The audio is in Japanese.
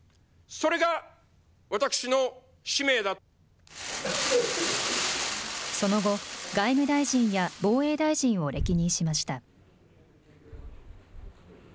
その後、外務大臣や防衛大臣を歴任しました。